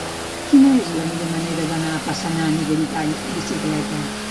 Quina és la millor manera d'anar a Passanant i Belltall amb bicicleta?